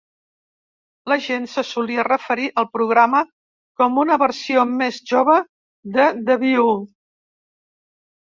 La gent se solia referir al programa com a una "versió més jove" de "The View".